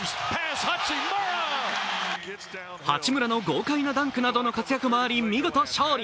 八村の豪快なダンクなどの活躍などもあり見事勝利。